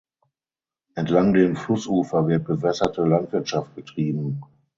Entlang dem Flussufer wird bewässerte Landwirtschaft betrieben.